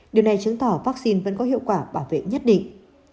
điều này chứng tỏ vaccine vẫn có hiệu quả bảo vệ nhất định